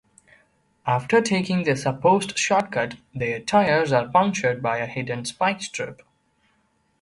After taking the supposed short-cut, their tires are punctured by a hidden spike strip.